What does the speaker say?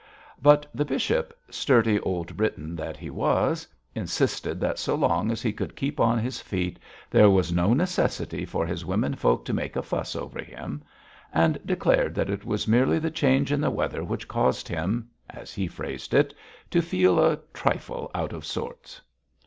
But the bishop, sturdy old Briton that he was, insisted that so long as he could keep on his feet there was no necessity for his women folk to make a fuss over him, and declared that it was merely the change in the weather which caused him as he phrased it to feel a trifle out of sorts.